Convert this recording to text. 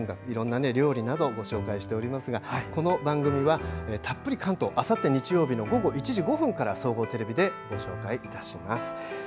いろんな料理などをご紹介していますが「たっぷり関東」あさって日曜日の午後１時５分から総合テレビでご紹介いたします。